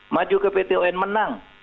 maju ke pt un menang